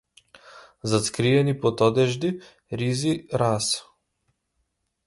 Затскриени под одежди, ризи, раса.